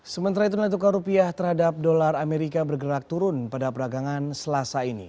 sementara itu nilai tukar rupiah terhadap dolar amerika bergerak turun pada peragangan selasa ini